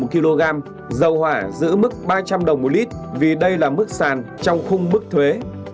mỡ nhờn giảm từ một đồng một kg dầu hỏa giữ mức ba trăm linh đồng một lít vì đây là mức sàn trong khung mức thuế